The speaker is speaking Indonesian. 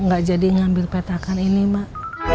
gak jadi ngambil petakan ini mbak